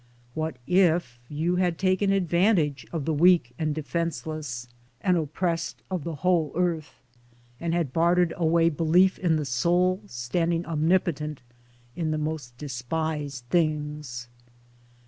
What if you had taken advantage of the weak and de fenceless and oppressed of the whole Earth — and had bartered away belief in the Soul standing omnipotent in the most despised things?